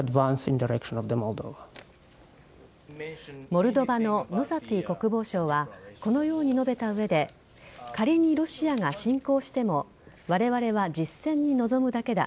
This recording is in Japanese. モルドバのノサティ国防相はこのように述べた上で仮にロシアが侵攻してもわれわれは実戦に臨むだけだ。